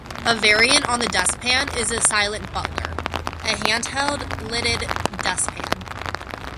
A variant on the dustpan is the silent butler, a handheld, lidded dustpan.